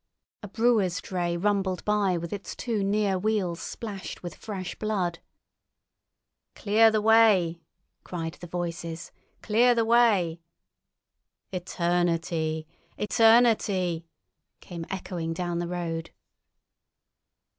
A brewer's dray rumbled by with its two near wheels splashed with fresh blood. "Clear the way!" cried the voices. "Clear the way!" "Eter nity! Eter nity!" came echoing down the road.